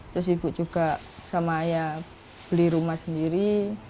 terus ibu juga sama ayah beli rumah sendiri